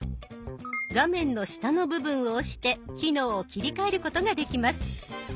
画面の下の部分を押して機能を切り替えることができます。